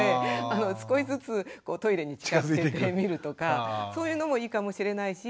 少しずつトイレに近づけてみるとかそういうのもいいかもしれないし。